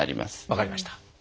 分かりました。